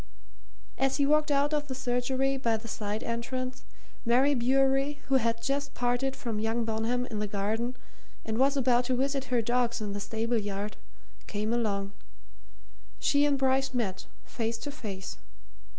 As he walked out of the surgery by the side entrance, Mary Bewery, who had just parted from young Bonham in the garden and was about to visit her dogs in the stable yard, came along: she and Bryce met, face to face.